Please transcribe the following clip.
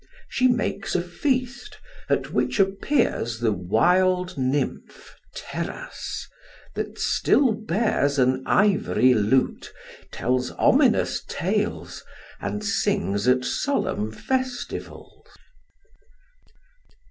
She makes a feast, at which appears The wild nymph Teras, that still bears An ivory lute, tells ominous tales, And sings at solemn festivals.